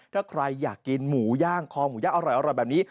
ถ้าใครอยากกินหมูย่างคอหมูย่างอร่อยแบบนี้